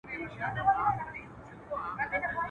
o تر بېکاري، بېگاري ښه ده.